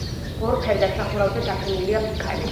ორფერდა სახურავზე დაფენილია ფიქალი.